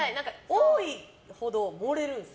多いほど盛れるんです。